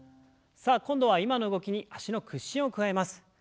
さあ今度は今の動きに脚の屈伸を加えます。